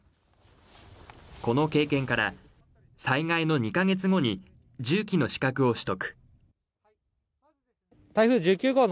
この経験から災害の２カ月後に重機の資格を取得。